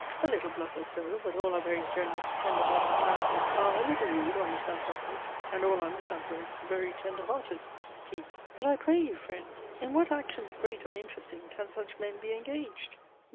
(a little bluff or so, but all our very generous, tender hearted characters are a little rude or misanthropic, and all our misanthropes very tender hearted.) P. But I pray you, friend, in what actions great or interesting, can such men be engaged?